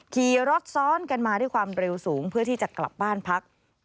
ขี่รถซ้อนกันมาด้วยความเร็วสูงเพื่อที่จะกลับบ้านพัก